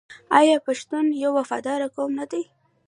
آیا پښتون یو وفادار قوم نه دی؟